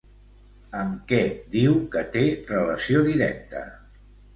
Amb què diu que té relació directa?